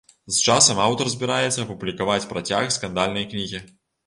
З часам аўтар збіраецца апублікаваць працяг скандальнай кнігі.